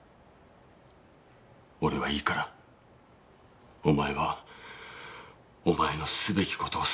俺はいいからお前はお前のすべき事をするんだ。